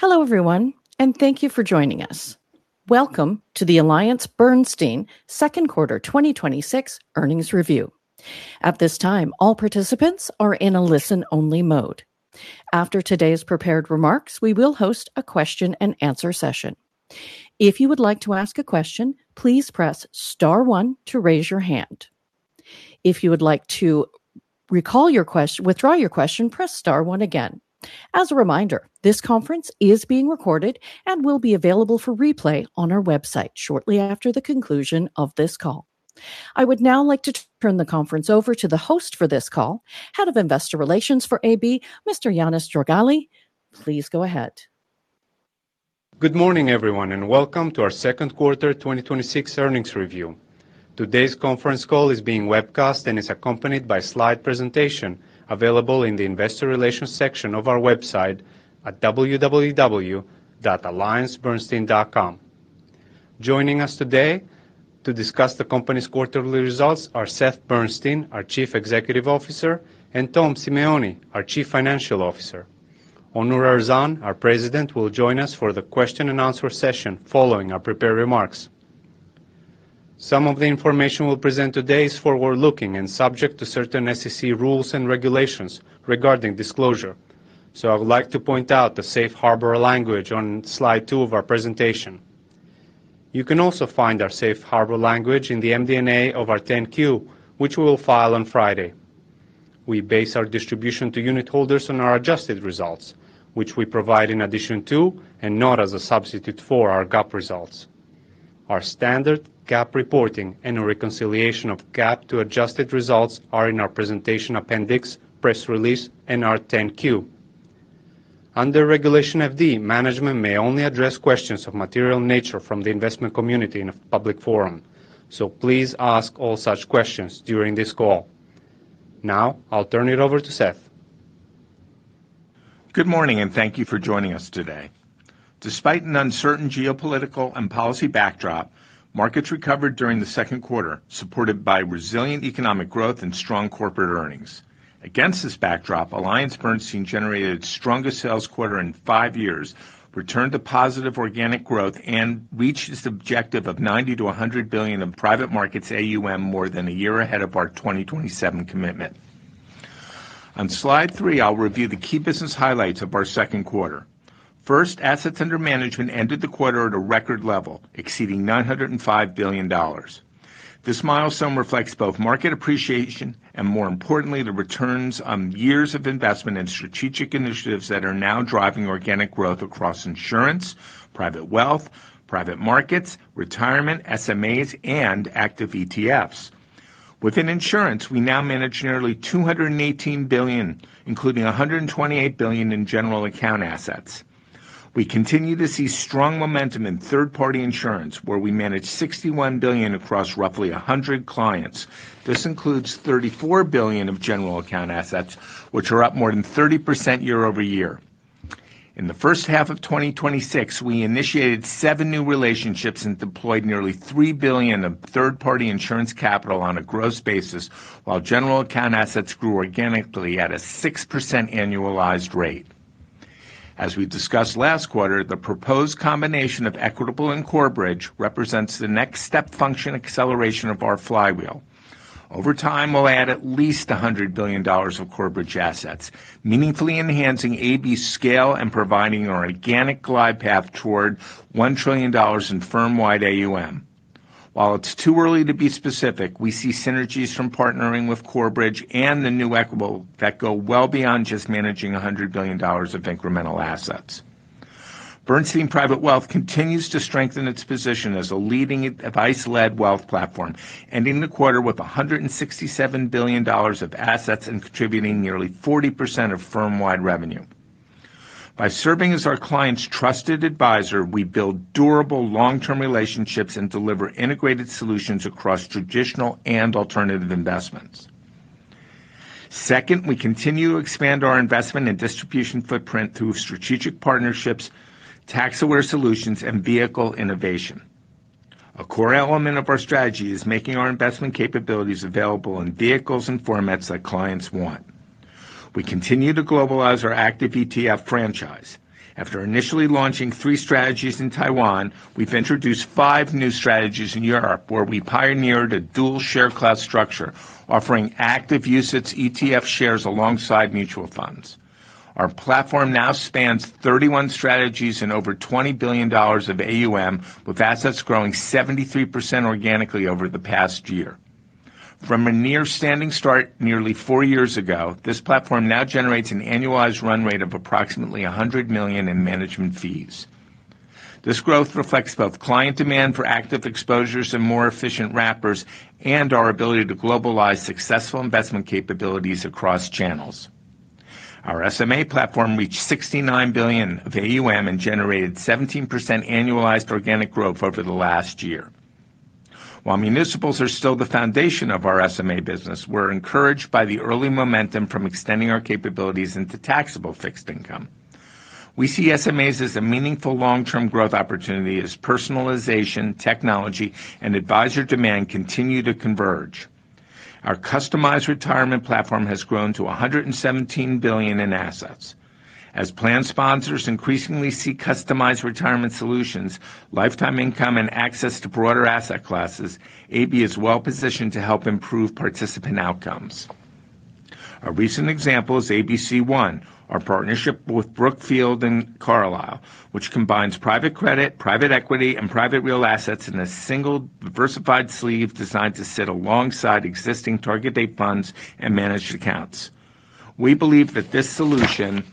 Hello, everyone. Thank you for joining us. Welcome to the AllianceBernstein Second Quarter 2026 Earnings Review. At this time, all participants are in a listen-only mode. After today's prepared remarks, we will host a question and answer session. If you would like to ask a question, please press star one to raise your hand. If you would like to withdraw your question, press star one again. As a reminder, this conference is being recorded and will be available for replay on our website shortly after the conclusion of this call. I would now like to turn the conference over to the host for this call, Head of Investor Relations for AB, Mr. Ioannis Georgali. Please go ahead. Good morning, everyone. Welcome to our second quarter 2026 earnings review. Today's conference call is being webcast and is accompanied by a slide presentation available in the investor relations section of our website at www.alliancebernstein.com. Joining us today to discuss the company's quarterly results are Seth Bernstein, our Chief Executive Officer, and Tom Simeone, our Chief Financial Officer. Onur Erzan, our President, will join us for the question and answer session following our prepared remarks. Some of the information we'll present today is forward-looking and subject to certain SEC rules and regulations regarding disclosure. I would like to point out the safe harbor language on slide two of our presentation. You can also find our safe harbor language in the MD&A of our 10-Q, which we will file on Friday. We base our distribution to unit holders on our adjusted results, which we provide in addition to, and not as a substitute for, our GAAP results. Our standard GAAP reporting and a reconciliation of GAAP to adjusted results are in our presentation appendix, press release, and our 10-Q. Under Regulation FD, management may only address questions of material nature from the investment community in a public forum. Please ask all such questions during this call. Now, I'll turn it over to Seth. Good morning. Thank you for joining us today. Despite an uncertain geopolitical and policy backdrop, markets recovered during the second quarter, supported by resilient economic growth and strong corporate earnings. Against this backdrop, AllianceBernstein generated its strongest sales quarter in five years, returned to positive organic growth, and reached its objective of $90 billion-$100 billion in private markets AUM more than a year ahead of our 2027 commitment. On slide three, I'll review the key business highlights of our second quarter. First, assets under management ended the quarter at a record level, exceeding $905 billion. This milestone reflects both market appreciation and, more importantly, the returns on years of investment in strategic initiatives that are now driving organic growth across insurance, private wealth, private markets, retirement, SMAs, and active ETFs. Within insurance, we now manage nearly $218 billion, including $128 billion in general account assets. We continue to see strong momentum in third-party insurance, where we manage $61 billion across roughly 100 clients. This includes $34 billion of general account assets, which are up more than 30% year-over-year. In the first half of 2026, we initiated seven new relationships and deployed nearly $3 billion of third-party insurance capital on a gross basis while general account assets grew organically at a 6% annualized rate. As we discussed last quarter, the proposed combination of Equitable and Corebridge represents the next step function acceleration of our flywheel. Over time, we will add at least $100 billion of Corebridge assets, meaningfully enhancing AB scale and providing an organic glide path toward $1 trillion in firm-wide AUM. While it is too early to be specific, we see synergies from partnering with Corebridge and the new Equitable that go well beyond just managing $100 billion of incremental assets. Bernstein Private Wealth continues to strengthen its position as a leading advice-led wealth platform, ending the quarter with $167 billion of assets and contributing nearly 40% of firm-wide revenue. By serving as our clients' trusted advisor, we build durable long-term relationships and deliver integrated solutions across traditional and alternative investments. Second, we continue to expand our investment and distribution footprint through strategic partnerships, tax-aware solutions, and vehicle innovation. A core element of our strategy is making our investment capabilities available in vehicles and formats that clients want. We continue to globalize our active ETF franchise. After initially launching three strategies in Taiwan, we have introduced five new strategies in Europe, where we pioneered a dual share class structure offering active UCITS ETF shares alongside mutual funds. Our platform now spans 31 strategies and over $20 billion of AUM, with assets growing 73% organically over the past year. From a near-standing start nearly four years ago, this platform now generates an annualized run rate of approximately $100 million in management fees. This growth reflects both client demand for active exposures and more efficient wrappers and our ability to globalize successful investment capabilities across channels. Our SMA platform reached $69 billion of AUM and generated 17% annualized organic growth over the last year. While municipals are still the foundation of our SMA business, we are encouraged by the early momentum from extending our capabilities into taxable fixed income. We see SMAs as a meaningful long-term growth opportunity as personalization, technology, and advisor demand continue to converge. Our customized retirement platform has grown to $117 billion in assets. As plan sponsors increasingly seek customized retirement solutions, lifetime income and access to broader asset classes, AB is well-positioned to help improve participant outcomes. A recent example is ABC [ONE], our partnership with Brookfield and Carlyle, which combines private credit, private equity, and private real assets in a single, diversified sleeve designed to sit alongside existing target date funds and managed accounts. We believe that this solution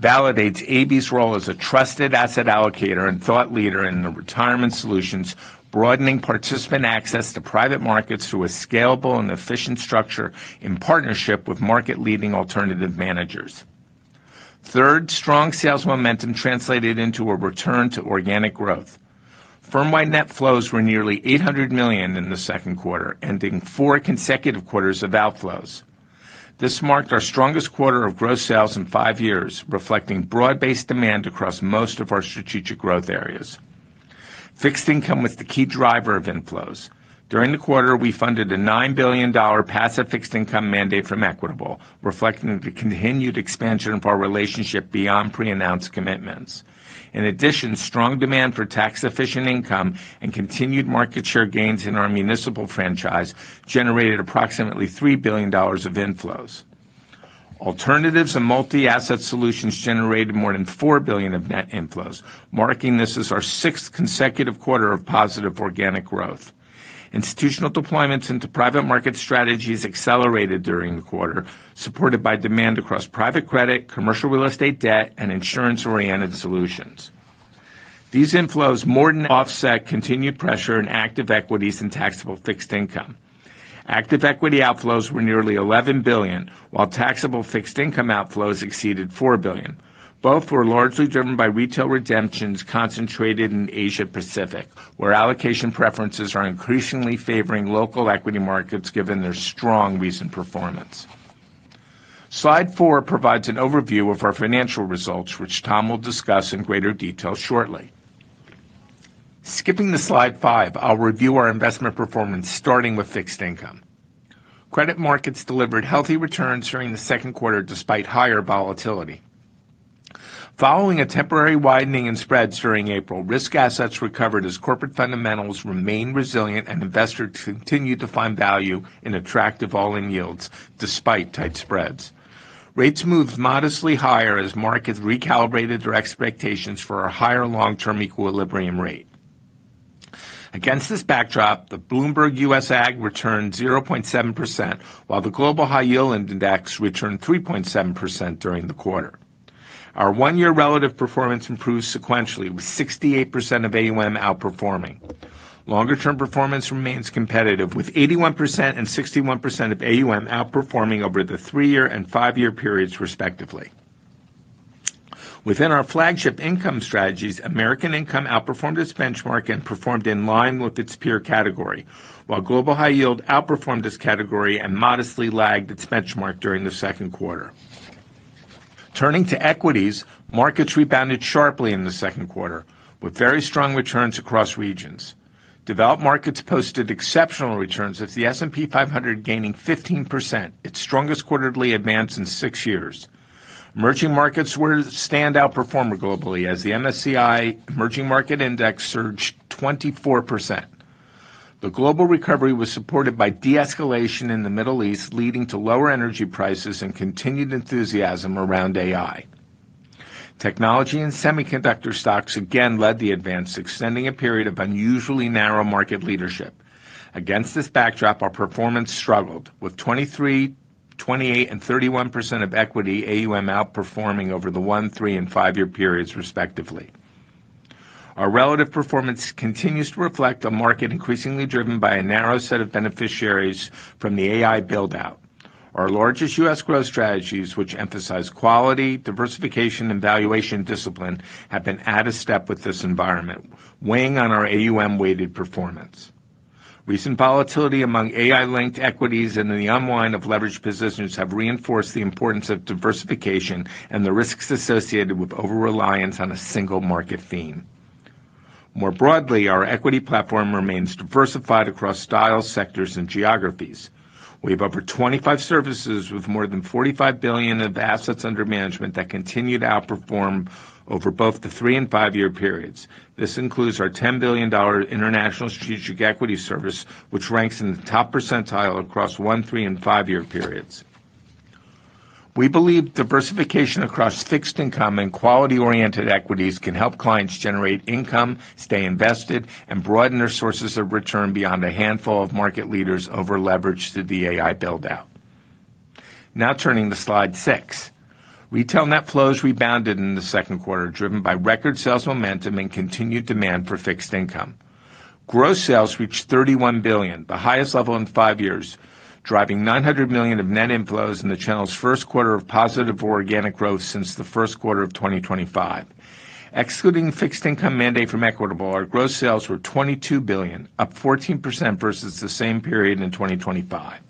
validates AB's role as a trusted asset allocator and thought leader in retirement solutions, broadening participant access to private markets through a scalable and efficient structure in partnership with market-leading alternative managers. Third, strong sales momentum translated into a return to organic growth. Firm-wide net flows were nearly $800 million in the second quarter, ending four consecutive quarters of outflows. This marked our strongest quarter of gross sales in five years, reflecting broad-based demand across most of our strategic growth areas. Fixed income was the key driver of inflows. During the quarter, we funded a $9 billion passive fixed income mandate from Equitable, reflecting the continued expansion of our relationship beyond pre-announced commitments. In addition, strong demand for tax-efficient income and continued market share gains in our municipal franchise generated approximately $3 billion of inflows. Alternatives and multi-asset solutions generated more than $4 billion of net inflows, marking this as our sixth consecutive quarter of positive organic growth. Institutional deployments into private market strategies accelerated during the quarter, supported by demand across private credit, commercial real estate debt, and insurance-oriented solutions. These inflows more than offset continued pressure in active equities and taxable fixed income. Active equity outflows were nearly $11 billion, while taxable fixed income outflows exceeded $4 billion. Both were largely driven by retail redemptions concentrated in Asia-Pacific, where allocation preferences are increasingly favoring local equity markets given their strong recent performance. Slide four provides an overview of our financial results, which Tom will discuss in greater detail shortly. Skipping to slide five, I'll review our investment performance, starting with fixed income. Credit markets delivered healthy returns during the second quarter despite higher volatility. Following a temporary widening in spreads during April, risk assets recovered as corporate fundamentals remained resilient and investors continued to find value in attractive all-in yields despite tight spreads. Rates moved modestly higher as markets recalibrated their expectations for a higher long-term equilibrium rate. Against this backdrop, the Bloomberg US Agg returned 0.7%, while the Global High Yield Index returned 3.7% during the quarter. Our one-year relative performance improved sequentially, with 68% of AUM outperforming. Longer-term performance remains competitive, with 81% and 61% of AUM outperforming over the three-year and five-year periods respectively. Within our flagship income strategies, American Income outperformed its benchmark and performed in line with its peer category, while Global High Yield outperformed its category and modestly lagged its benchmark during the second quarter. Turning to equities, markets rebounded sharply in the second quarter with very strong returns across regions. Developed markets posted exceptional returns, with the S&P 500 gaining 15%, its strongest quarterly advance in six years. Emerging markets were the standout performer globally as the MSCI Emerging Markets Index surged 24%. The global recovery was supported by de-escalation in the Middle East, leading to lower energy prices and continued enthusiasm around AI. Technology and semiconductor stocks again led the advance, extending a period of unusually narrow market leadership. Against this backdrop, our performance struggled, with 23%, 28%, and 31% of equity AUM outperforming over the one, three, and five-year periods respectively. Our relative performance continues to reflect a market increasingly driven by a narrow set of beneficiaries from the AI build-out. Our largest U.S. growth strategies, which emphasize quality, diversification, and valuation discipline, have been out of step with this environment, weighing on our AUM-weighted performance. Recent volatility among AI-linked equities and the unwind of leveraged positions have reinforced the importance of diversification and the risks associated with overreliance on a single market theme. More broadly, our equity platform remains diversified across styles, sectors, and geographies. We have over 25 services with more than $45 billion of assets under management that continue to outperform over both the three and five-year periods. This includes our $10 billion International Strategic Equity service, which ranks in the top percentile across one, three, and five-year periods. We believe diversification across fixed income and quality-oriented equities can help clients generate income, stay invested, and broaden their sources of return beyond a handful of market leaders over-leveraged to the AI build-out. Turning to slide six. Retail net flows rebounded in the second quarter, driven by record sales momentum and continued demand for fixed income. Gross sales reached $31 billion, the highest level in five years, driving $900 million of net inflows in the channel's first quarter of positive organic growth since the first quarter of 2025. Excluding the fixed income mandate from Equitable, our gross sales were $22 billion, up 14% versus the same period in 2025.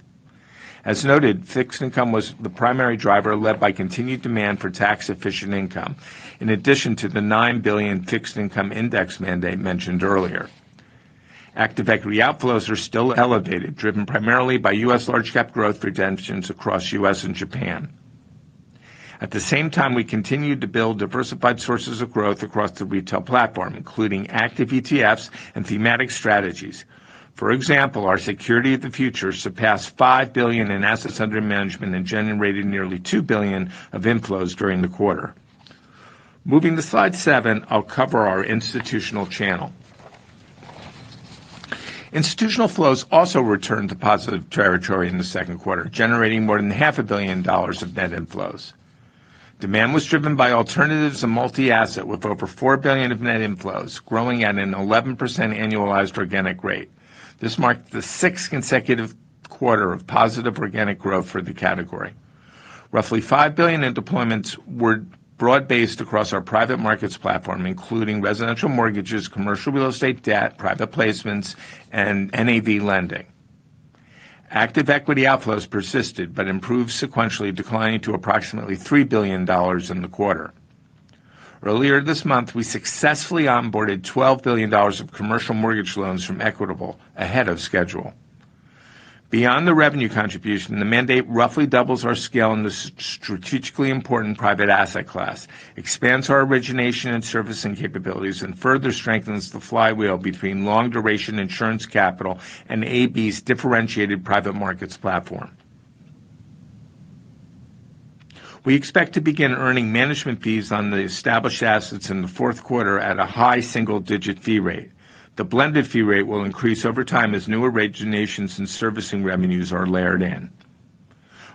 As noted, fixed income was the primary driver, led by continued demand for tax-efficient income, in addition to the $9 billion fixed income index mandate mentioned earlier. Active equity outflows are still elevated, driven primarily by U.S. large cap growth redemptions across U.S. and Japan. At the same time, we continued to build diversified sources of growth across the retail platform, including active ETFs and thematic strategies. For example, our Security of the Future surpassed $5 billion in assets under management and generated nearly $2 billion of inflows during the quarter. Moving to slide seven, I'll cover our institutional channel. Institutional flows also returned to positive territory in the second quarter, generating more than half a billion dollars of net inflows. Demand was driven by alternatives and multi-asset, with over $4 billion of net inflows, growing at an 11% annualized organic rate. This marked the sixth consecutive quarter of positive organic growth for the category. Roughly $5 billion in deployments were broad-based across our private markets platform, including residential mortgages, commercial real estate debt, private placements, and NAV lending. Active equity outflows persisted but improved sequentially, declining to approximately $3 billion in the quarter. Earlier this month, we successfully onboarded $12 billion of commercial mortgage loans from Equitable ahead of schedule. Beyond the revenue contribution, the mandate roughly doubles our scale in this strategically important private asset class, expands our origination and servicing capabilities, and further strengthens the flywheel between long-duration insurance capital and AB's differentiated private markets platform. We expect to begin earning management fees on the established assets in the fourth quarter at a high single-digit fee rate. The blended fee rate will increase over time as newer originations and servicing revenues are layered in.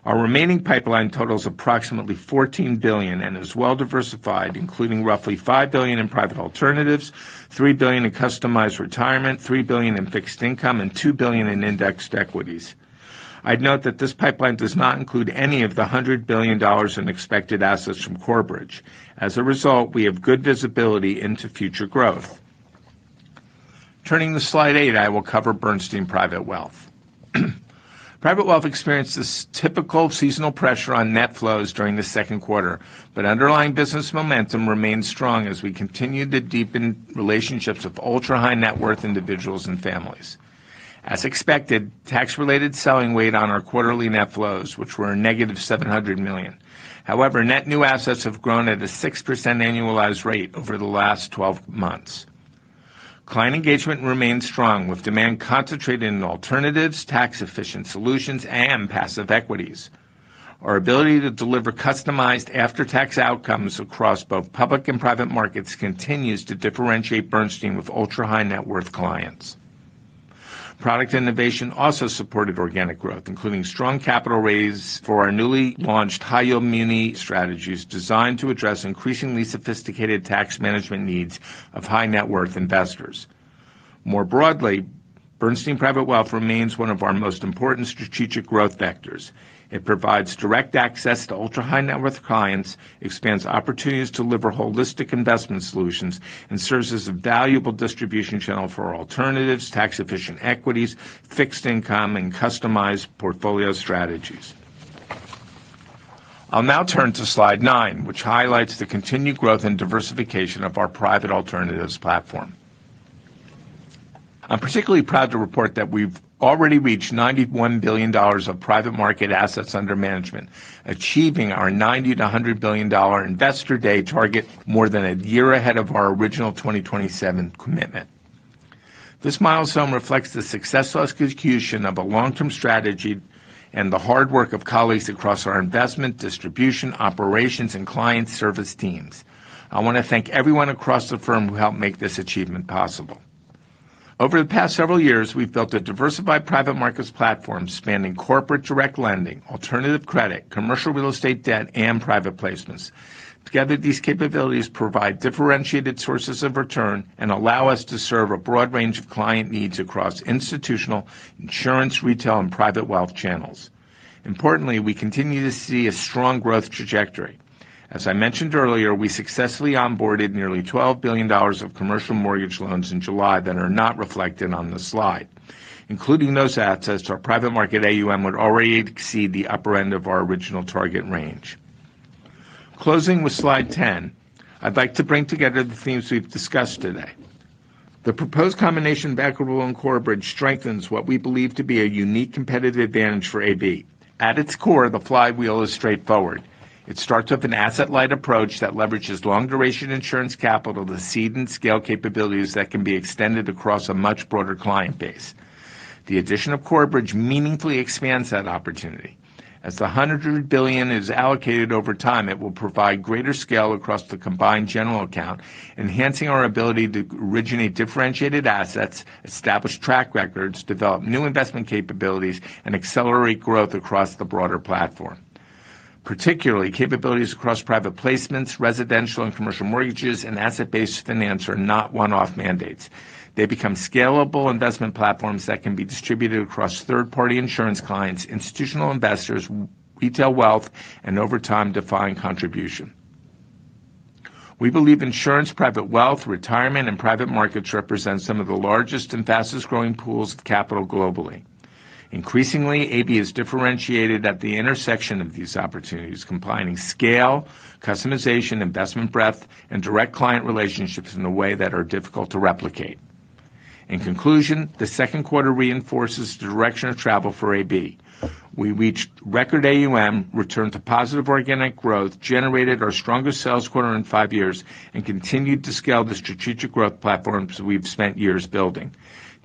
Our remaining pipeline totals approximately $14 billion and is well diversified, including roughly $5 billion in private alternatives, $3 billion in customized retirement, $3 billion in fixed income, and $2 billion in indexed equities. I'd note that this pipeline does not include any of the $100 billion in expected assets from Corebridge. As a result, we have good visibility into future growth. Turning to slide eight, I will cover Bernstein Private Wealth. Private Wealth experienced this typical seasonal pressure on net flows during the second quarter, but underlying business momentum remains strong as we continue to deepen relationships with ultra-high-net-worth individuals and families. As expected, tax-related selling weighed on our quarterly net flows, which were a -$700 million. However, net new assets have grown at a 6% annualized rate over the last 12 months. Client engagement remains strong, with demand concentrated in alternatives, tax-efficient solutions, and passive equities. Our ability to deliver customized after-tax outcomes across both public and private markets continues to differentiate Bernstein with ultra-high-net-worth clients. Product innovation also supported organic growth, including strong capital raised for our newly launched high-yield muni strategies designed to address increasingly sophisticated tax management needs of high-net-worth investors. More broadly, Bernstein Private Wealth Management remains one of our most important strategic growth vectors. It provides direct access to ultra-high-net-worth clients, expands opportunities to deliver holistic investment solutions, and serves as a valuable distribution channel for alternatives, tax-efficient equities, fixed income, and customized portfolio strategies. I'll now turn to slide nine, which highlights the continued growth and diversification of our private alternatives platform. I'm particularly proud to report that we've already reached $91 billion of private market assets under management, achieving our $90 billion-$100 billion Investor Day target more than a year ahead of our original 2027 commitment. This milestone reflects the successful execution of a long-term strategy and the hard work of colleagues across our investment, distribution, operations, and client service teams. I want to thank everyone across the firm who helped make this achievement possible. Over the past several years, we've built a diversified private markets platform spanning corporate direct lending, alternative credit, commercial real estate debt, and private placements. Together, these capabilities provide differentiated sources of return and allow us to serve a broad range of client needs across institutional, insurance, retail, and private wealth channels. Importantly, we continue to see a strong growth trajectory. As I mentioned earlier, we successfully onboarded nearly $12 billion of commercial mortgage loans in July that are not reflected on this slide. Including those assets, our private market AUM would already exceed the upper end of our original target range. Closing with slide 10, I'd like to bring together the themes we've discussed today. The proposed combination of Equitable and Corebridge strengthens what we believe to be a unique competitive advantage for AB. At its core, the flywheel is straightforward. It starts with an asset-light approach that leverages long-duration insurance capital to seed and scale capabilities that can be extended across a much broader client base. The addition of Corebridge meaningfully expands that opportunity. As the $100 billion is allocated over time, it will provide greater scale across the combined general account, enhancing our ability to originate differentiated assets, establish track records, develop new investment capabilities, and accelerate growth across the broader platform. Particularly, capabilities across private placements, residential and commercial mortgages, and asset-based finance are not one-off mandates. They become scalable investment platforms that can be distributed across third-party insurance clients, institutional investors, retail wealth, and over time, defined contribution. We believe insurance, private wealth, retirement, and private markets represent some of the largest and fastest-growing pools of capital globally. Increasingly, AB is differentiated at the intersection of these opportunities, combining scale, customization, investment breadth, and direct client relationships in a way that are difficult to replicate. In conclusion, the second quarter reinforces the direction of travel for AB. We reached record AUM, returned to positive organic growth, generated our strongest sales quarter in five years, and continued to scale the strategic growth platforms we've spent years building.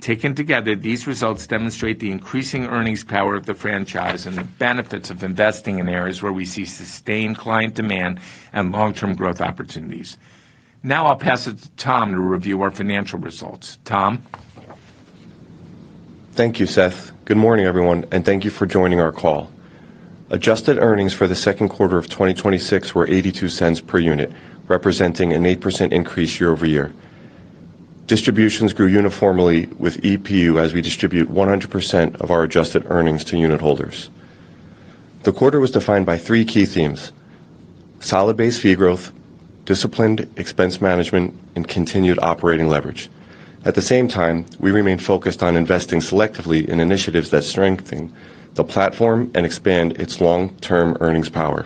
Taken together, these results demonstrate the increasing earnings power of the franchise and the benefits of investing in areas where we see sustained client demand and long-term growth opportunities. Now I'll pass it to Tom to review our financial results. Tom? Thank you, Seth. Good morning, everyone, and thank you for joining our call. Adjusted earnings for the second quarter of 2026 were $0.82 per unit, representing an 8% increase year-over-year. Distributions grew uniformly with EPU as we distribute 100% of our adjusted earnings to unit holders. The quarter was defined by three key themes: solid base fee growth, disciplined expense management, and continued operating leverage. At the same time, we remain focused on investing selectively in initiatives that strengthen the platform and expand its long-term earnings power.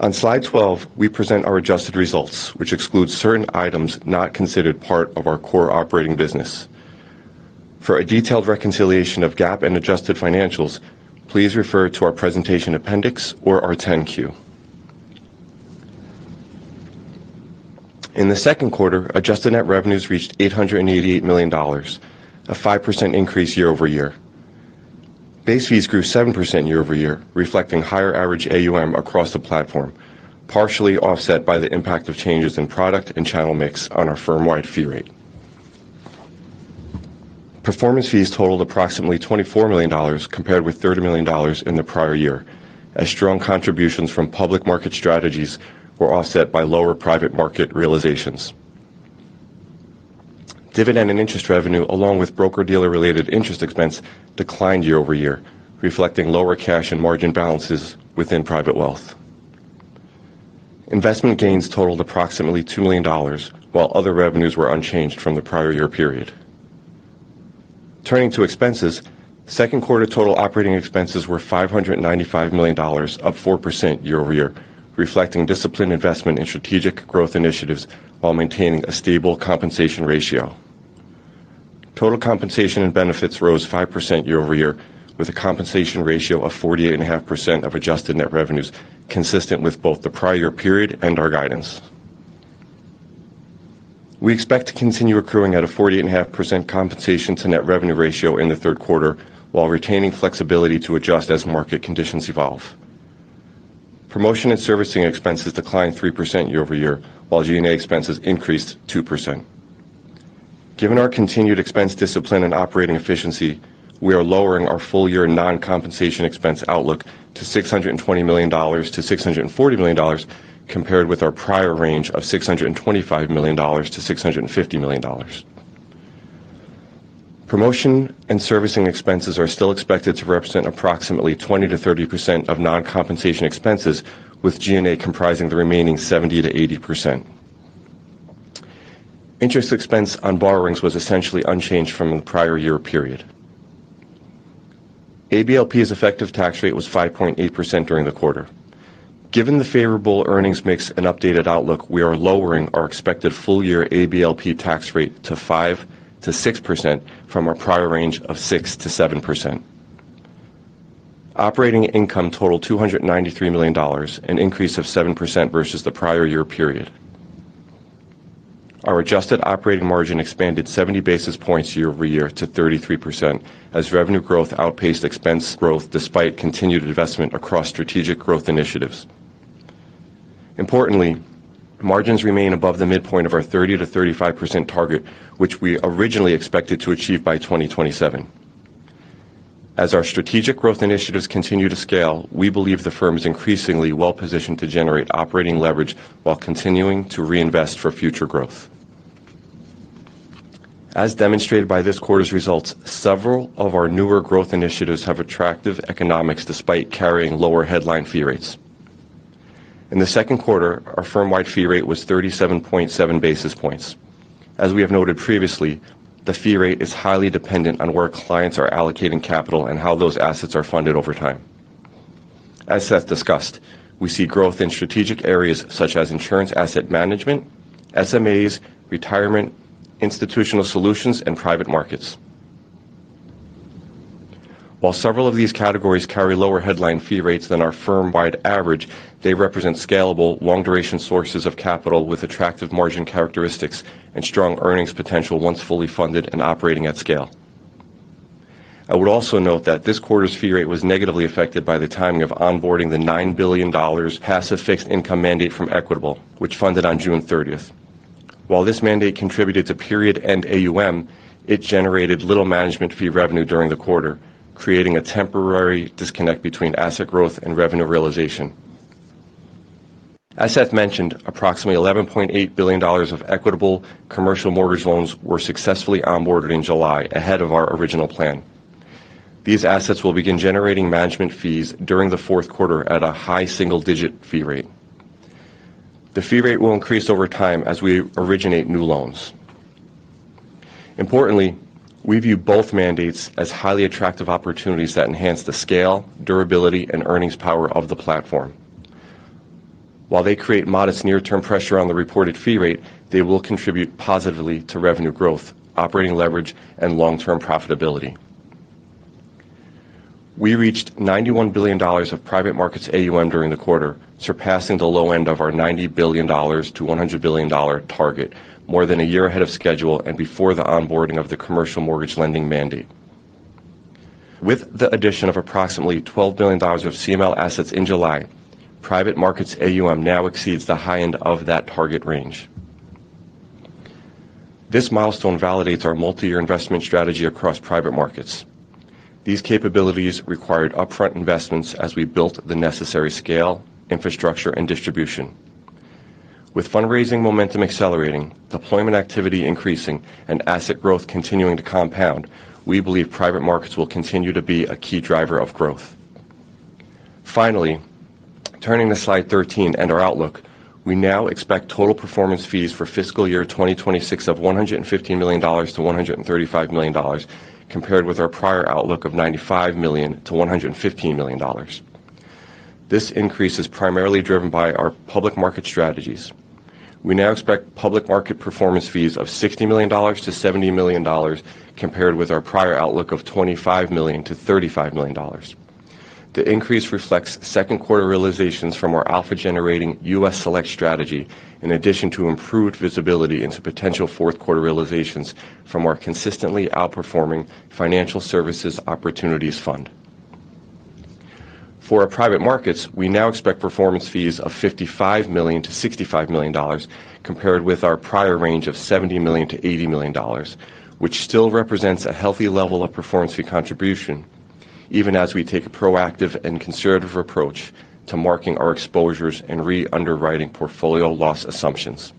On slide 12, we present our adjusted results, which excludes certain items not considered part of our core operating business. For a detailed reconciliation of GAAP and adjusted financials, please refer to our presentation appendix or our 10-Q. In the second quarter, adjusted net revenues reached $888 million, a 5% increase year-over-year. Base fees grew 7% year-over-year, reflecting higher average AUM across the platform, partially offset by the impact of changes in product and channel mix on our firm-wide fee rate. Performance fees totaled approximately $24 million, compared with $30 million in the prior year, as strong contributions from public market strategies were offset by lower private market realizations. Dividend and interest revenue, along with broker-dealer-related interest expense, declined year-over-year, reflecting lower cash and margin balances within private wealth. Investment gains totaled approximately $2 million, while other revenues were unchanged from the prior year period. Turning to expenses, second quarter total operating expenses were $595 million, up 4% year-over-year, reflecting disciplined investment in strategic growth initiatives while maintaining a stable compensation ratio. Total compensation and benefits rose 5% year-over-year, with a compensation ratio of 48.5% of adjusted net revenues, consistent with both the prior period and our guidance. We expect to continue accruing at a 48.5% compensation to net revenue ratio in the third quarter while retaining flexibility to adjust as market conditions evolve. Promotion and servicing expenses declined 3% year-over-year, while G&A expenses increased 2%. Given our continued expense discipline and operating efficiency, we are lowering our full-year non-compensation expense outlook to $620 million-$640 million, compared with our prior range of $625 million-$650 million. Promotion and servicing expenses are still expected to represent approximately 20%-30% of non-compensation expenses, with G&A comprising the remaining 70%-80%. Interest expense on borrowings was essentially unchanged from the prior year period. ABLP's effective tax rate was 5.8% during the quarter. Given the favorable earnings mix and updated outlook, we are lowering our expected full-year ABLP tax rate to 5%-6%, from our prior range of 6%-7%. Operating income totaled $293 million, an increase of 7% versus the prior year period. Our adjusted operating margin expanded 70 basis points year-over-year to 33% as revenue growth outpaced expense growth despite continued investment across strategic growth initiatives. Importantly, margins remain above the midpoint of our 30%-35% target, which we originally expected to achieve by 2027. As our strategic growth initiatives continue to scale, we believe the firm is increasingly well-positioned to generate operating leverage while continuing to reinvest for future growth. As demonstrated by this quarter's results, several of our newer growth initiatives have attractive economics despite carrying lower headline fee rates. In the second quarter, our firm-wide fee rate was 37.7 basis points. As we have noted previously, the fee rate is highly dependent on where clients are allocating capital and how those assets are funded over time. As Seth discussed, we see growth in strategic areas such as insurance asset management, SMAs, retirement, institutional solutions, and private markets. While several of these categories carry lower headline fee rates than our firm-wide average, they represent scalable, long-duration sources of capital with attractive margin characteristics and strong earnings potential once fully funded and operating at scale. I would also note that this quarter's fee rate was negatively affected by the timing of onboarding the $9 billion passive fixed income mandate from Equitable, which funded on June 30th. While this mandate contributed to period end AUM, it generated little management fee revenue during the quarter, creating a temporary disconnect between asset growth and revenue realization. As Seth mentioned, approximately $11.8 billion of Equitable commercial mortgage loans were successfully onboarded in July, ahead of our original plan. These assets will begin generating management fees during the fourth quarter at a high single-digit fee rate. The fee rate will increase over time as we originate new loans. Importantly, we view both mandates as highly attractive opportunities that enhance the scale, durability, and earnings power of the platform. While they create modest near-term pressure on the reported fee rate, they will contribute positively to revenue growth, operating leverage, and long-term profitability. We reached $91 billion of private markets AUM during the quarter, surpassing the low end of our $90 billion-$100 billion target more than a year ahead of schedule and before the onboarding of the commercial mortgage lending mandate. With the addition of approximately $12 billion of CML assets in July, private markets AUM now exceeds the high end of that target range. This milestone validates our multi-year investment strategy across private markets. These capabilities required upfront investments as we built the necessary scale, infrastructure, and distribution. With fundraising momentum accelerating, deployment activity increasing, and asset growth continuing to compound, we believe private markets will continue to be a key driver of growth. Finally, turning to slide 13 and our outlook, we now expect total performance fees for fiscal year 2026 of $115 million-$135 million, compared with our prior outlook of $95 million-$115 million. This increase is primarily driven by our public market strategies. We now expect public market performance fees of $60 million-$70 million, compared with our prior outlook of $25 million-$35 million. The increase reflects second quarter realizations from our alpha-generating U.S. Select strategy, in addition to improved visibility into potential fourth quarter realizations from our consistently outperforming Financial Services Opportunities Fund. For our private markets, we now expect performance fees of $55 million-$65 million, compared with our prior range of $70 million-$80 million, which still represents a healthy level of performance fee contribution, even as we take a proactive and conservative approach to marking our exposures and re-underwriting portfolio loss assumptions.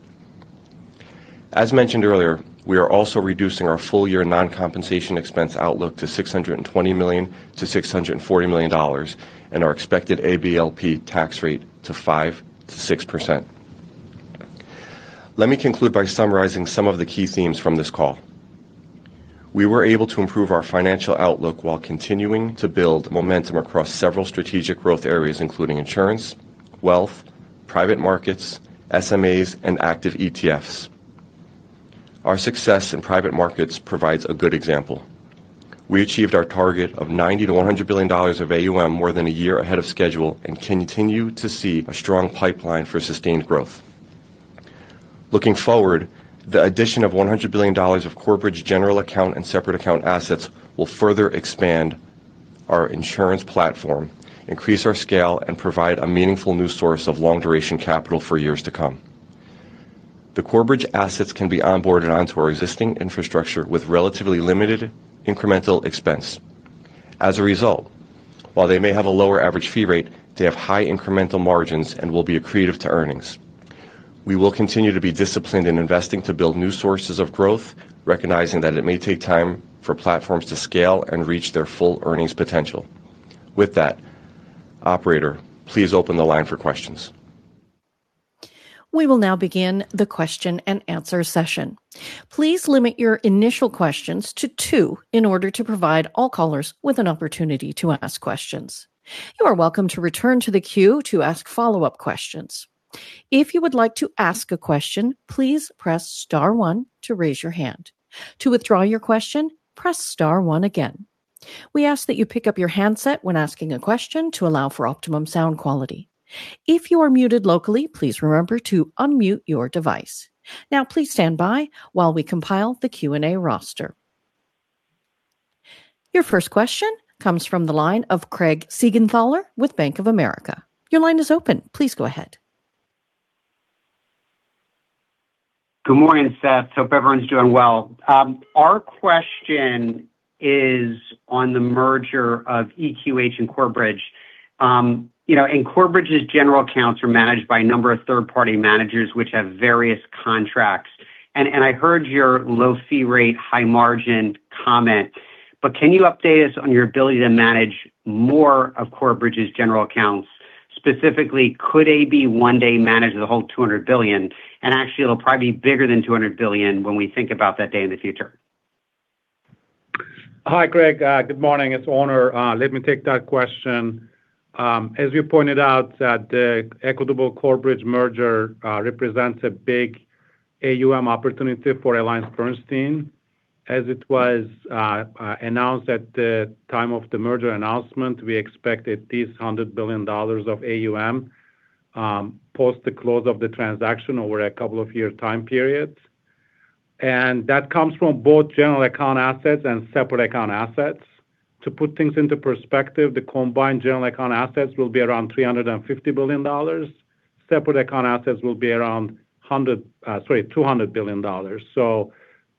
As mentioned earlier, we are also reducing our full-year non-compensation expense outlook to $620 million-$640 million and our expected ABLP tax rate to 5%-6%. Let me conclude by summarizing some of the key themes from this call. We were able to improve our financial outlook while continuing to build momentum across several strategic growth areas, including insurance, wealth, private markets, SMAs, and active ETFs. Our success in private markets provides a good example. We achieved our target of $90 billion-$100 billion of AUM more than one year ahead of schedule and continue to see a strong pipeline for sustained growth. Looking forward, the addition of $100 billion of Corebridge general account and separate account assets will further expand our insurance platform, increase our scale, and provide a meaningful new source of long-duration capital for years to come. The Corebridge assets can be onboarded onto our existing infrastructure with relatively limited incremental expense. As a result, while they may have a lower average fee rate, they have high incremental margins and will be accretive to earnings. We will continue to be disciplined in investing to build new sources of growth, recognizing that it may take time for platforms to scale and reach their full earnings potential. With that, operator, please open the line for questions. We will now begin the question and answer session. Please limit your initial questions to two in order to provide all callers with an opportunity to ask questions. You are welcome to return to the queue to ask follow-up questions. If you would like to ask a question, please press star one to raise your hand. To withdraw your question, press star one again. We ask that you pick up your handset when asking a question to allow for optimum sound quality. If you are muted locally, please remember to unmute your device. Now please stand by while we compile the Q&A roster. Your first question comes from the line of Craig Siegenthaler with Bank of America. Your line is open. Please go ahead. Good morning, Seth. Hope everyone's doing well. Our question is on the merger of EQH and Corebridge. Corebridge's general accounts are managed by a number of third-party managers, which have various contracts. I heard your low fee rate, high margin comment, but can you update us on your ability to manage more of Corebridge's general accounts? Specifically, could AB one day manage the whole $200 billion? Actually, it will probably be bigger than $200 billion when we think about that day in the future. Hi, Craig. Good morning. It's Onur. Let me take that question. As you pointed out, the Equitable Corebridge merger represents a big AUM opportunity for AllianceBernstein. As it was announced at the time of the merger announcement, we expected this $100 billion of AUM post the close of the transaction over a couple of year time periods. That comes from both general account assets and separate account assets. To put things into perspective, the combined general account assets will be around $350 billion. Separate account assets will be around $200 billion.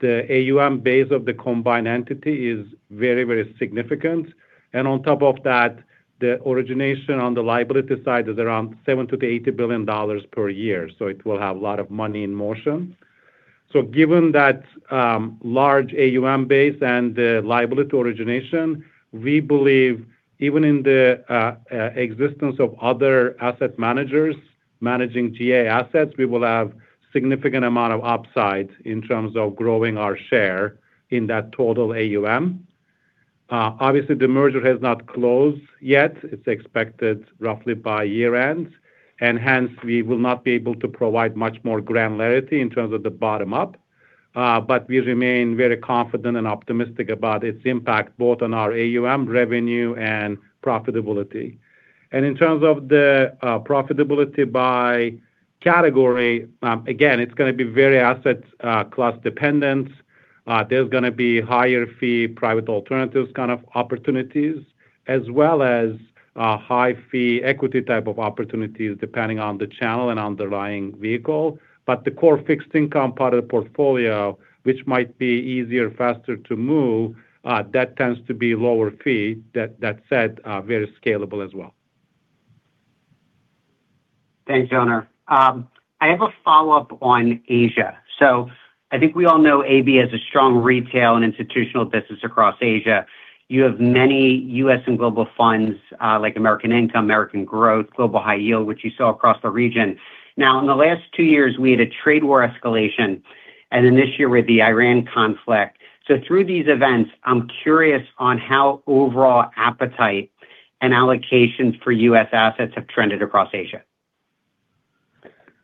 The AUM base of the combined entity is very significant. On top of that, the origination on the liability side is around $7 billion-$8 billion per year. It will have a lot of money in motion. Given that large AUM base and the liability origination, we believe even in the existence of other asset managers managing GA assets, we will have significant amount of upside in terms of growing our share in that total AUM. Obviously, the merger has not closed yet. It's expected roughly by year-end, and hence, we will not be able to provide much more granularity in terms of the bottom-up. We remain very confident and optimistic about its impact both on our AUM revenue and profitability. In terms of the profitability by category, again, it's going to be very asset class dependent. There's going to be higher fee private alternatives kind of opportunities, as well as high-fee equity type of opportunities depending on the channel and underlying vehicle. The core fixed income part of the portfolio, which might be easier, faster to move, that tends to be lower fee. That said, very scalable as well. Thanks, Onur. I have a follow-up on Asia. I think we all know AB has a strong retail and institutional business across Asia. You have many U.S. and global funds, like American Income, American Growth, Global High Yield, which you saw across the region. Now, in the last two years, we had a trade war escalation, and then this year with the Iran conflict. Through these events, I'm curious on how overall appetite and allocations for U.S. assets have trended across Asia.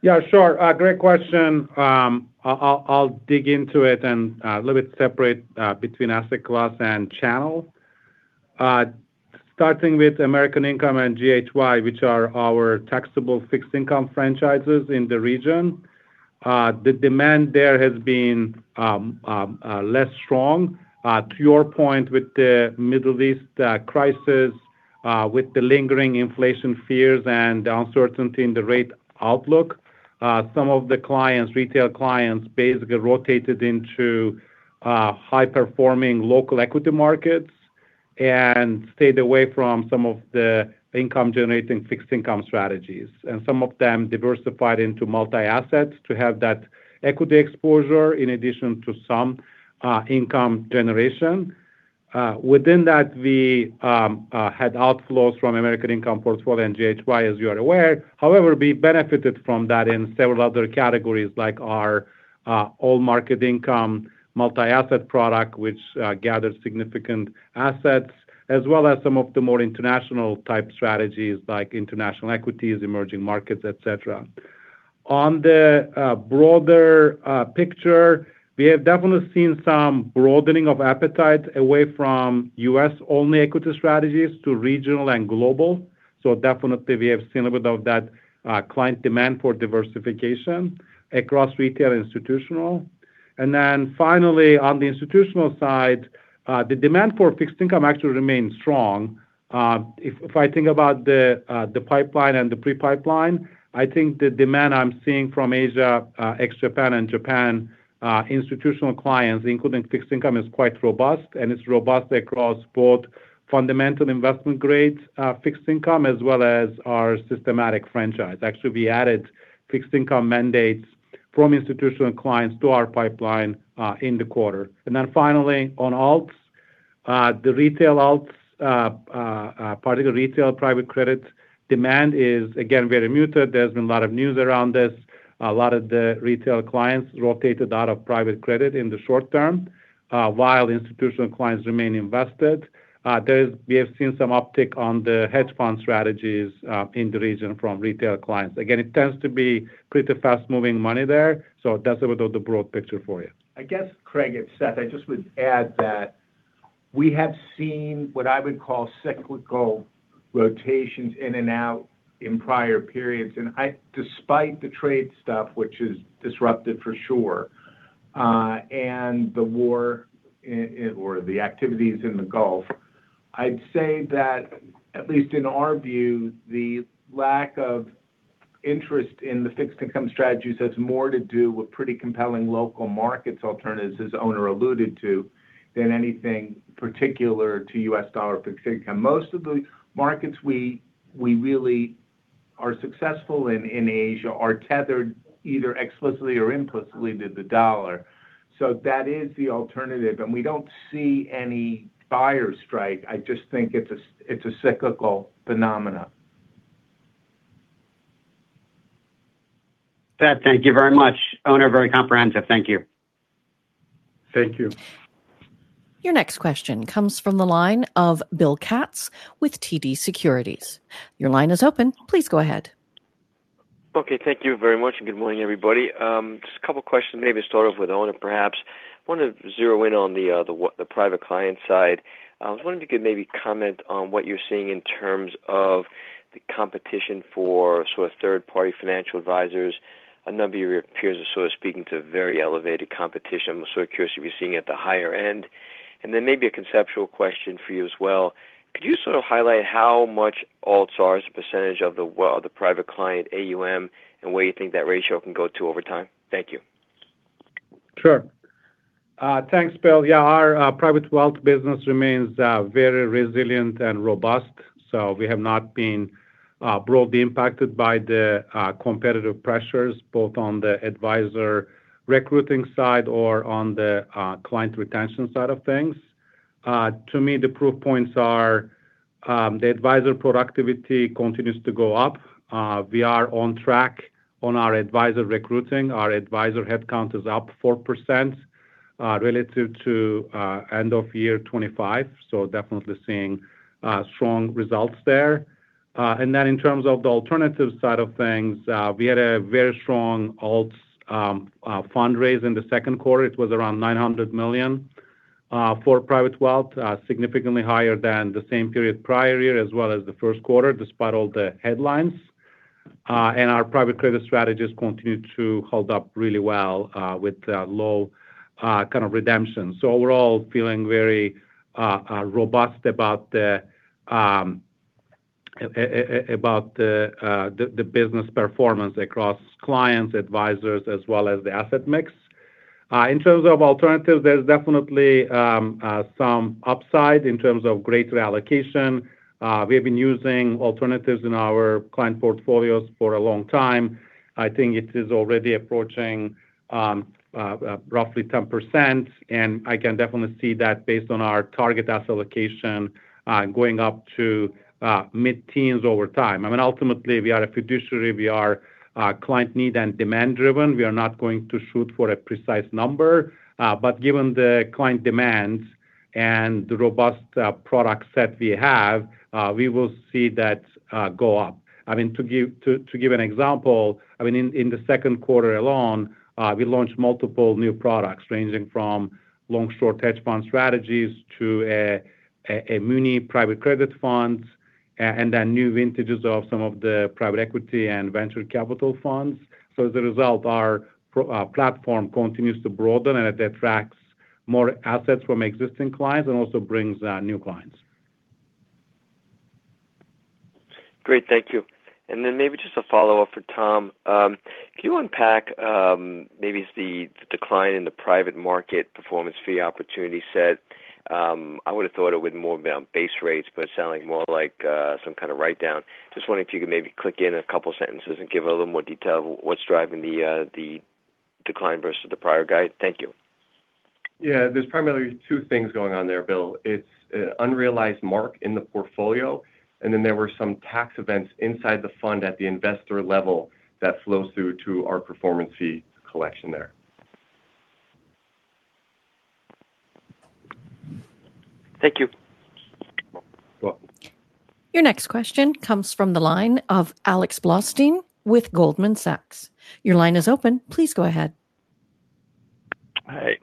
Yeah, sure. Great question. I'll dig into it and a little bit separate between asset class and channel. Starting with American Income and GHY, which are our taxable fixed income franchises in the region. The demand there has been less strong. To your point with the Middle East crisis, with the lingering inflation fears and the uncertainty in the rate outlook, some of the retail clients basically rotated into high-performing local equity markets and stayed away from some of the income-generating fixed income strategies. Some of them diversified into multi-assets to have that equity exposure in addition to some income generation. Within that, we had outflows from American Income portfolio and GHY, as you are aware. However, we benefited from that in several other categories like our All Market Income, multi-asset product, which gathered significant assets, as well as some of the more international type strategies like international equities, emerging markets, et cetera. On the broader picture, we have definitely seen some broadening of appetite away from U.S.-only equity strategies to regional and global. Definitely, we have seen a bit of that client demand for diversification across retail institutional. Finally, on the institutional side, the demand for fixed income actually remains strong. If I think about the pipeline and the pre-pipeline, I think the demand I'm seeing from Asia, ex-Japan and Japan institutional clients, including fixed income, is quite robust. It's robust across both fundamental investment grade fixed income, as well as our systematic franchise. Actually, we added fixed income mandates from institutional clients to our pipeline in the quarter. Finally, on alts, the retail alts, part of the retail private credits, demand is, again, very muted. There's been a lot of news around this. A lot of the retail clients rotated out of private credit in the short term, while institutional clients remain invested. We have seen some uptick on the hedge fund strategies in the region from retail clients. Again, it tends to be pretty fast-moving money there. That's a bit of the broad picture for you. I guess, Craig. It's Seth, I just would add that we have seen what I would call cyclical rotations in and out in prior periods. Despite the trade stuff, which is disruptive for sure, and the war or the activities in the Gulf, I'd say that, at least in our view, the lack of interest in the fixed income strategies has more to do with pretty compelling local markets alternatives, as Onur alluded to, than anything particular to US dollar fixed income. Most of the markets we really are successful in in Asia are tethered either explicitly or implicitly to the dollar. That is the alternative, and we don't see any buyer strike. I just think it's a cyclical phenomenon. Seth, thank you very much. Onur, very comprehensive. Thank you. Thank you. Your next question comes from the line of Bill Katz with TD Securities. Your line is open. Please go ahead. Okay. Thank you very much. Good morning, everybody. Just a couple questions, maybe start off with Onur, perhaps. I want to zero in on the private client side. I was wondering if you could maybe comment on what you're seeing in terms of the competition for sort of third-party financial advisors. A number of your peers are sort of speaking to very elevated competition. I'm sort of curious what you're seeing at the higher end. Then maybe a conceptual question for you as well. Could you sort of highlight how much alts are as a percentage of the private client AUM, and where you think that ratio can go to over time? Thank you. Sure. Thanks, Bill. Yeah, our private wealth business remains very resilient and robust. We have not been broadly impacted by the competitive pressures, both on the advisor recruiting side or on the client retention side of things. To me, the proof points are the advisor productivity continues to go up. We are on track on our advisor recruiting. Our advisor headcount is up 4% relative to end of year 2025, definitely seeing strong results there. In terms of the alternatives side of things, we had a very strong alts fundraise in the second quarter. It was around $900 million for private wealth, significantly higher than the same period prior year as well as the first quarter, despite all the headlines. Our private credit strategies continue to hold up really well with low redemption. Overall, feeling very robust about the business performance across clients, advisors, as well as the asset mix. In terms of alternatives, there's definitely some upside in terms of greater allocation. We have been using alternatives in our client portfolios for a long time. I think it is already approaching roughly 10%, I can definitely see that based on our target asset allocation going up to mid-teens over time. Ultimately, we are a fiduciary. We are client need and demand driven. We are not going to shoot for a precise number. Given the client demands and the robust product set we have, we will see that go up. To give an example, in the second quarter alone, we launched multiple new products ranging from long short hedge fund strategies to a muni private credit fund, new vintages of some of the private equity and venture capital funds. As a result, our platform continues to broaden and it attracts more assets from existing clients and also brings new clients. Great. Thank you. Maybe just a follow-up for Tom. Can you unpack maybe the decline in the private market performance fee opportunity set? I would have thought it would have more been on base rates, but it's sounding more like some kind of write-down. Just wondering if you could maybe click in a couple sentences and give a little more detail what's driving the decline versus the prior guide. Thank you. Yeah. There's primarily two things going on there, Bill. It's unrealized mark in the portfolio, and then there were some tax events inside the fund at the investor level that flows through to our performance fee collection there. Thank you. You're welcome. Your next question comes from the line of Alex Blostein with Goldman Sachs. Your line is open. Please go ahead. Hey.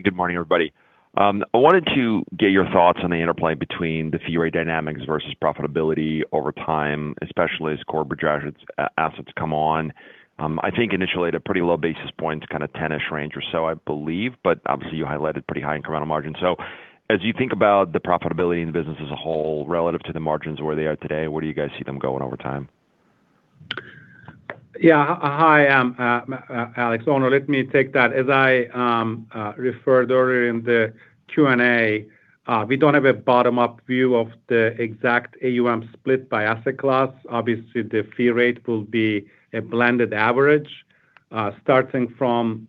Good morning, everybody. I wanted to get your thoughts on the interplay between the fee rate dynamics versus profitability over time, especially as Corebridge assets come on. I think initially at a pretty low basis points, kind of 10-ish range or so, I believe, but obviously you highlighted pretty high incremental margins. As you think about the profitability in the business as a whole relative to the margins where they are today, where do you guys see them going over time? Hi, Alex. Onur. Let me take that. As I referred earlier in the Q&A, we don't have a bottom-up view of the exact AUM split by asset class. Obviously, the fee rate will be a blended average. Starting from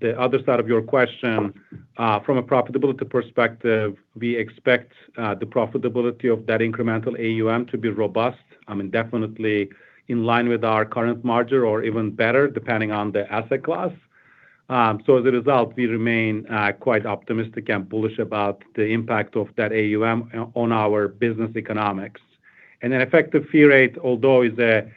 the other side of your question, from a profitability perspective, we expect the profitability of that incremental AUM to be robust. Definitely in line with our current margin or even better, depending on the asset class. As a result, we remain quite optimistic and bullish about the impact of that AUM on our business economics. An effective fee rate, although, is an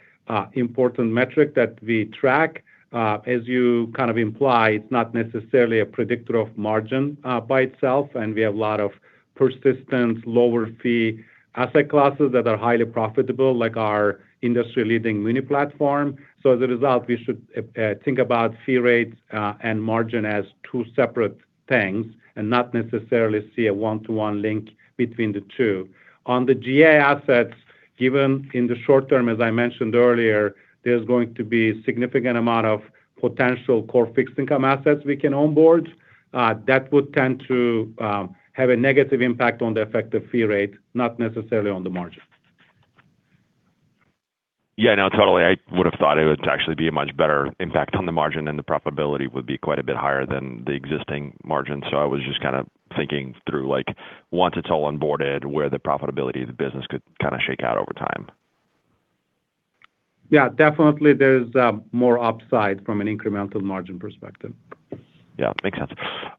important metric that we track. As you kind of imply, it's not necessarily a predictor of margin by itself, and we have a lot of persistent lower fee asset classes that are highly profitable, like our industry-leading muni platform. As a result, we should think about fee rates and margin as two separate things and not necessarily see a one-to-one link between the two. On the GA assets, given in the short term, as I mentioned earlier, there's going to be a significant amount of potential core fixed income assets we can onboard. That would tend to have a negative impact on the effective fee rate, not necessarily on the margin. No, totally. I would have thought it would actually be a much better impact on the margin, and the profitability would be quite a bit higher than the existing margin. I was just kind of thinking through once it's all onboarded, where the profitability of the business could kind of shake out over time. Definitely there's more upside from an incremental margin perspective. Makes sense.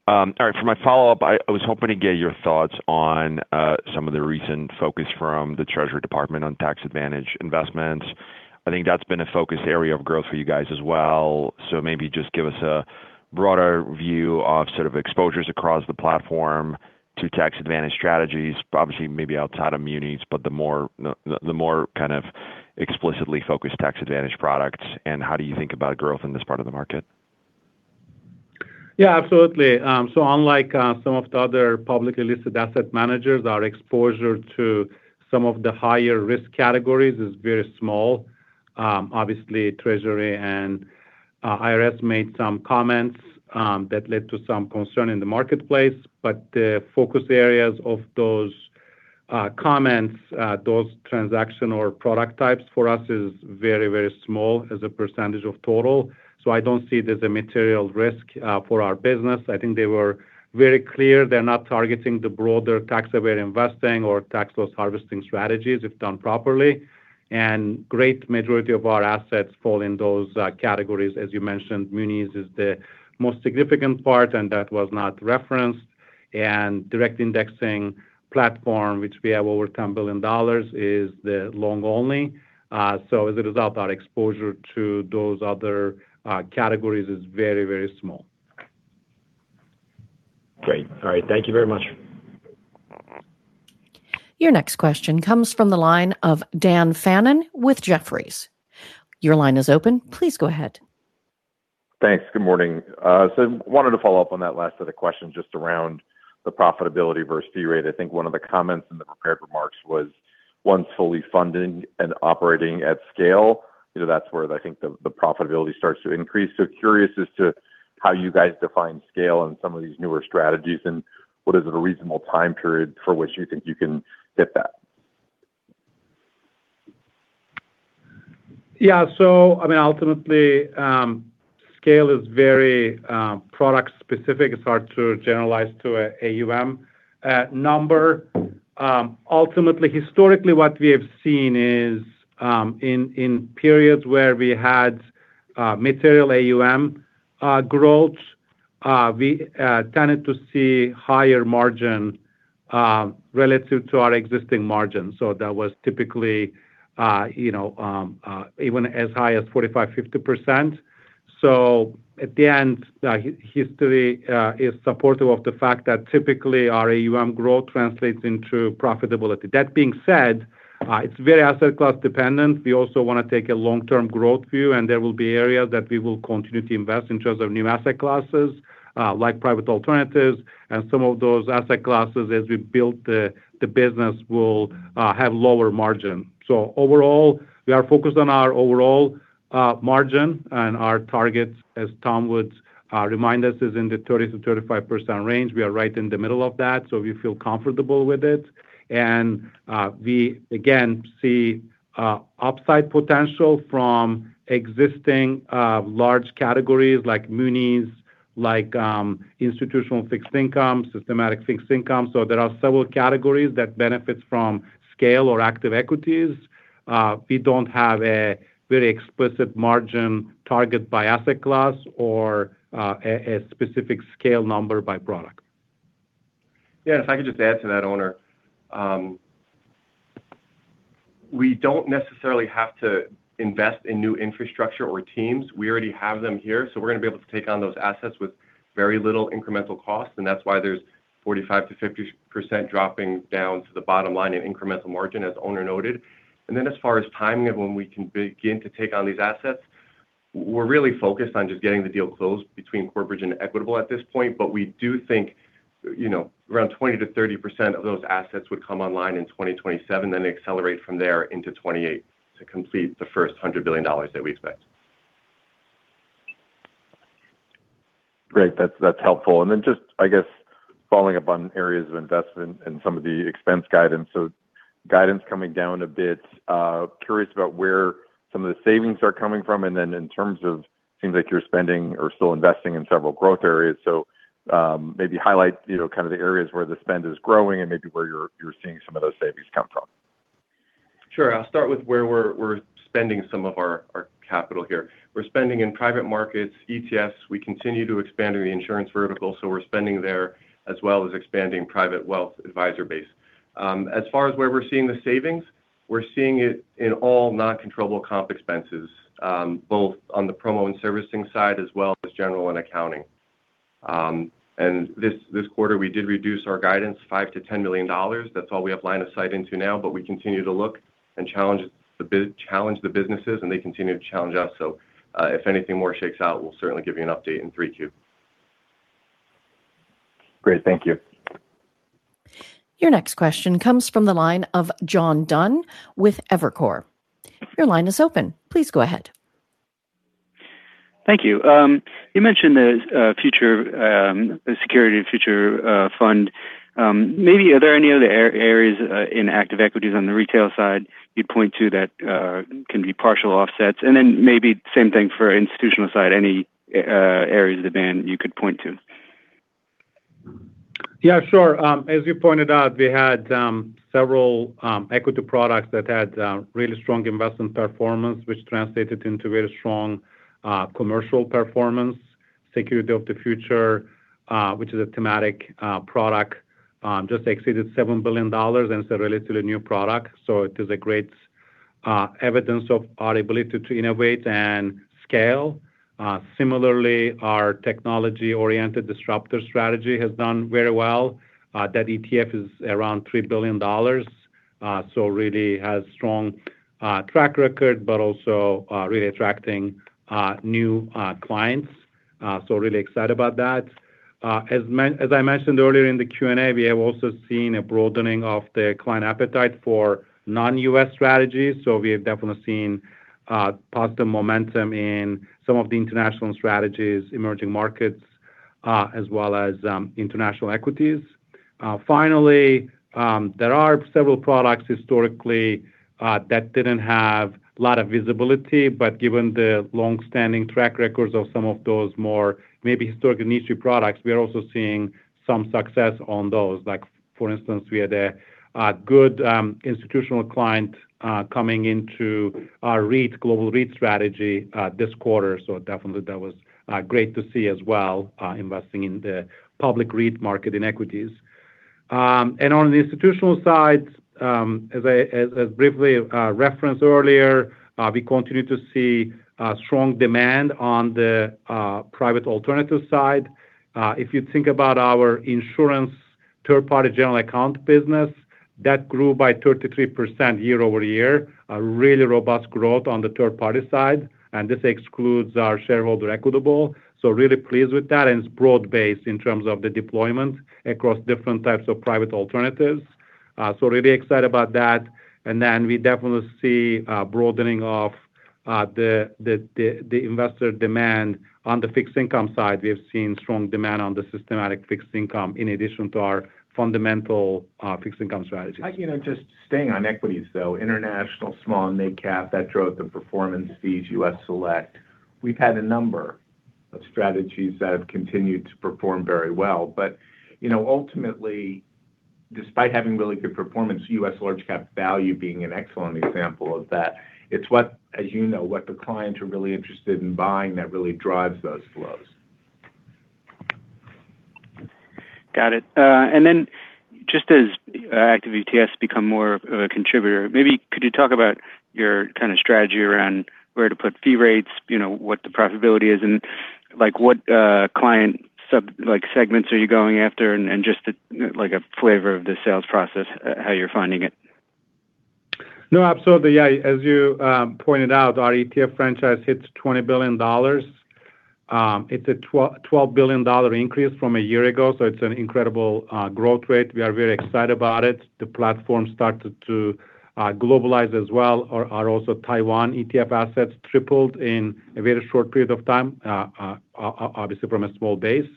All right. For my follow-up, I was hoping to get your thoughts on some of the recent focus from the Treasury Department on tax-advantaged investments. I think that's been a focus area of growth for you guys as well. Maybe just give us a broader view of sort of exposures across the platform to tax-advantaged strategies, obviously, maybe outside of munis, but the more kind of explicitly focused tax-advantaged products, and how do you think about growth in this part of the market? Absolutely. Unlike some of the other publicly listed asset managers, our exposure to some of the higher risk categories is very small. Obviously, Treasury and IRS made some comments that led to some concern in the marketplace, but the focus areas of those comments, those transaction or product types for us is very, very small as a percentage of total. I don't see it as a material risk for our business. I think they were very clear. They're not targeting the broader tax-aware investing or tax-loss harvesting strategies if done properly. Great majority of our assets fall in those categories. As you mentioned, munis is the most significant part, and that was not referenced. Direct indexing platform, which we have over $10 billion is the long-only. As a result, our exposure to those other categories is very, very small. Great. All right. Thank you very much. Your next question comes from the line of Dan Fannon with Jefferies. Your line is open. Please go ahead. Thanks. Good morning. Wanted to follow up on that last set of questions just around the profitability versus fee rate. I think one of the comments in the prepared remarks was once fully funded and operating at scale, that's where I think the profitability starts to increase. Curious as to how you guys define scale in some of these newer strategies, and what is it a reasonable time period for which you think you can hit that? Ultimately, scale is very product specific. It's hard to generalize to AUM number. Ultimately, historically, what we have seen is in periods where we had material AUM growth, we tended to see higher margin relative to our existing margin. That was typically even as high as 45%-50%. At the end, history is supportive of the fact that typically our AUM growth translates into profitability. That being said, it's very asset class dependent. We also want to take a long-term growth view, and there will be areas that we will continue to invest in terms of new asset classes, like private alternatives. Some of those asset classes as we build the business will have lower margin. Overall, we are focused on our overall margin and our targets, as Tom would remind us, is in the 30%-35% range. We are right in the middle of that, so we feel comfortable with it. We again see upside potential from existing large categories like munis, like institutional fixed income, systematic fixed income. There are several categories that benefits from scale or active equities. We don't have a very explicit margin target by asset class or a specific scale number by product. Yeah, if I could just add to that, Onur. We don't necessarily have to invest in new infrastructure or teams. We already have them here, so we're going to be able to take on those assets with very little incremental cost, and that's why there's 45%-50% dropping down to the bottom line in incremental margin, as Onur noted. As far as timing of when we can begin to take on these assets, we're really focused on just getting the deal closed between Corebridge and Equitable at this point. We do think around 20%-30% of those assets would come online in 2027, then accelerate from there into 2028 to complete the first $100 billion that we expect. Great. That's helpful. Just, I guess, following up on areas of investment and some of the expense guidance. Guidance coming down a bit. Curious about where some of the savings are coming from, in terms of seems like you're spending or still investing in several growth areas. Maybe highlight the areas where the spend is growing and maybe where you're seeing some of those savings come from. Sure. I'll start with where we're spending some of our capital here. We're spending in private markets, ETFs. We continue to expand in the insurance vertical. We're spending there as well as expanding private wealth advisor base. As far as where we're seeing the savings, we're seeing it in all non-controllable comp expenses, both on the promo and servicing side, as well as general and administrative. This quarter, we did reduce our guidance $5 million-$10 million. That's all we have line of sight into now. We continue to look and challenge the businesses, and they continue to challenge us. If anything more shakes out, we'll certainly give you an update in 3Q. Great. Thank you. Your next question comes from the line of John Dunn with Evercore. Your line is open. Please go ahead. Thank you. You mentioned the Security of the Future. Maybe are there any other areas in active equities on the retail side you'd point to that can be partial offsets? Maybe same thing for institutional side, any areas of the band you could point to? Sure. As you pointed out, we had several equity products that had really strong investment performance, which translated into very strong commercial performance. Security of the Future, which is a thematic product, just exceeded $7 billion, and it's a relatively new product. It is a great evidence of our ability to innovate and scale. Similarly, our technology-oriented disruptor strategy has done very well. That ETF is around $3 billion. Really has strong track record, but also really attracting new clients. Really excited about that. As I mentioned earlier in the Q&A, we have also seen a broadening of the client appetite for non-U.S. strategies. We have definitely seen positive momentum in some of the international strategies, emerging markets, as well as international equities. Finally, there are several products historically that didn't have a lot of visibility, but given the longstanding track records of some of those more maybe historically niche products, we are also seeing some success on those. For instance, we had a good institutional client coming into our global REIT strategy this quarter, so definitely that was great to see as well, investing in the public REIT market in equities. On the institutional side, as I briefly referenced earlier, we continue to see strong demand on the private alternative side. If you think about our insurance third-party general account business, that grew by 33% year-over-year. A really robust growth on the third-party side. This excludes our shareholder Equitable. Really pleased with that, and it's broad based in terms of the deployment across different types of private alternatives. Really excited about that. We definitely see a broadening of the investor demand. On the fixed income side, we have seen strong demand on the systematic fixed income in addition to our fundamental fixed income strategies. Just staying on equities, though, international small and mid cap that drove the performance fees, U.S. select. We've had a number of strategies that have continued to perform very well. Ultimately, despite having really good performance, U.S. large cap value being an excellent example of that, it's what the clients are really interested in buying that really drives those flows. Got it. Just as active ETFs become more of a contributor, maybe could you talk about your strategy around where to put fee rates, what the profitability is, and what client segments are you going after, and just a flavor of the sales process, how you're finding it. No, absolutely. Yeah. As you pointed out, our ETF franchise hits $20 billion. It's a $12 billion increase from a year ago, it's an incredible growth rate. We are very excited about it. The platform started to globalize as well. Our also Taiwan ETF assets tripled in a very short period of time, obviously from a small base.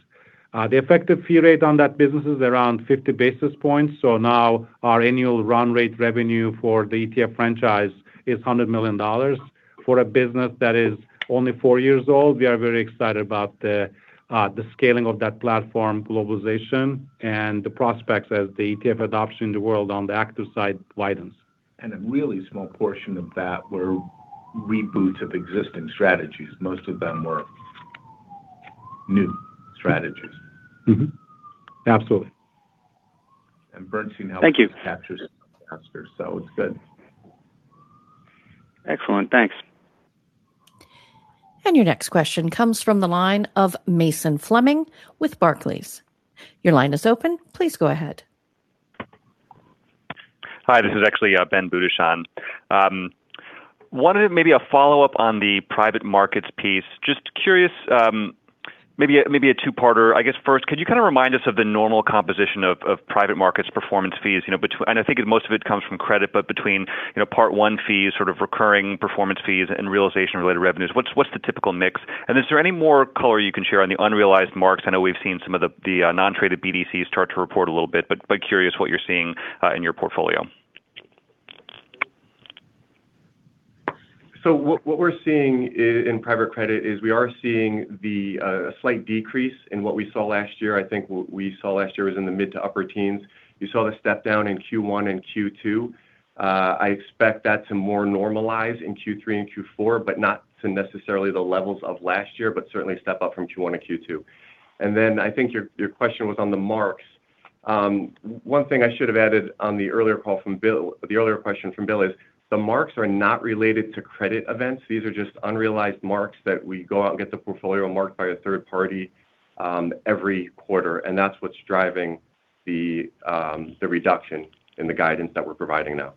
The effective fee rate on that business is around 50 basis points. Now our annual run rate revenue for the ETF franchise is $100 million. For a business that is only four years old, we are very excited about the scaling of that platform globalization and the prospects as the ETF adoption in the world on the active side widens. A really small portion of that were reboots of existing strategies. Most of them were new strategies. Mm-hmm. Absolutely. Bernstein. Thank you. Helps us capture it faster, it's good. Excellent. Thanks. Your next question comes from the line of Mason Fleming with Barclays. Your line is open. Please go ahead. Hi, this is actually Ben Budish on. I wanted maybe a follow-up on the private markets piece. Just curious, maybe a two-parter. I guess first, could you remind us of the normal composition of private markets performance fees? I think most of it comes from credit, but between Part one fees, sort of recurring performance fees, and realization-related revenues, what's the typical mix? Is there any more color you can share on the unrealized marks? I know we've seen some of the non-traded BDCs start to report a little bit, but curious what you're seeing in your portfolio. What we're seeing in private credit is we are seeing a slight decrease in what we saw last year. I think what we saw last year was in the mid-to-upper teens. You saw the step down in Q1 and Q2. I expect that to more normalize in Q3 and Q4, but not to necessarily the levels of last year, but certainly a step up from Q1 and Q2. I think your question was on the marks. One thing I should have added on the earlier question from Bill is the marks are not related to credit events. These are just unrealized marks that we go out and get the portfolio marked by a third party every quarter, and that's what's driving the reduction in the guidance that we're providing now.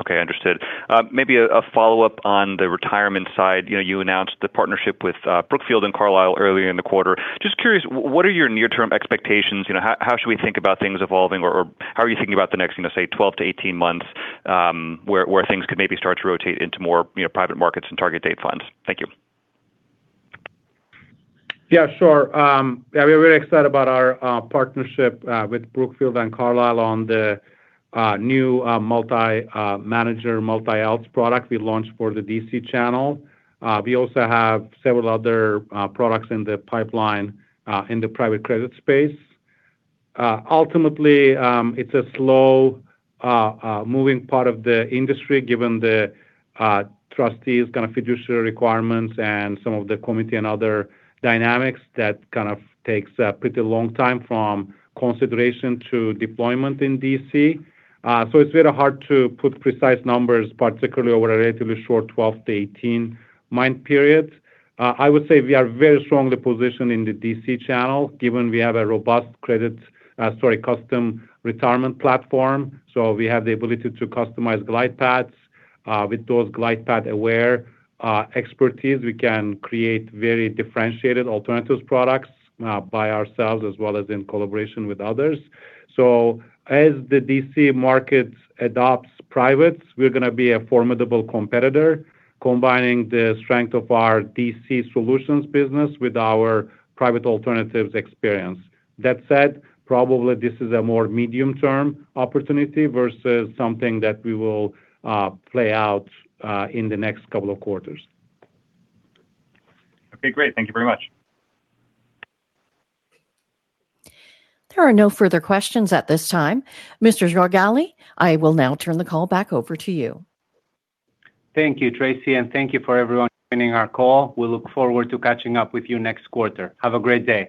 Okay. Understood. Maybe a follow-up on the retirement side. You announced the partnership with Brookfield and Carlyle earlier in the quarter. Just curious, what are your near-term expectations? How should we think about things evolving or how are you thinking about the next, say, 12-18 months, where things could maybe start to rotate into more private markets and target date funds? Thank you. Yeah, sure. We're very excited about our partnership with Brookfield and Carlyle on the new multi-manager, multi-alt product we launched for the DC channel. We also have several other products in the pipeline in the private credit space. Ultimately, it's a slow-moving part of the industry, given the trustees' kind of fiduciary requirements and some of the committee and other dynamics that takes a pretty long time from consideration to deployment in DC. It's very hard to put precise numbers, particularly over a relatively short 12-18 month period. I would say we are very strongly positioned in the DC channel, given we have a robust credit custom retirement platform. We have the ability to customize glide paths. With those glide path-aware expertise, we can create very differentiated alternatives products by ourselves as well as in collaboration with others. As the DC market adopts privates, we're going to be a formidable competitor, combining the strength of our DC solutions business with our private alternatives experience. That said, probably this is a more medium-term opportunity versus something that we will play out in the next couple of quarters. Okay, great. Thank you very much. There are no further questions at this time. Mr. Georgali, I will now turn the call back over to you. Thank you, Tracy. Thank you for everyone joining our call. We look forward to catching up with you next quarter. Have a great day.